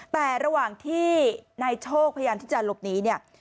แต่ระหว่างที่นายโชคพยายามที่จะหลบหนีเนี่ย